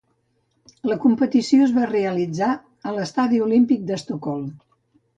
La competició es va realitzar a l'Estadi Olímpic d'Estocolm.